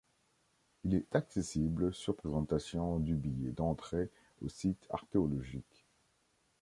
Il est accessible sur présentation du billet d'entrée au site archéologique.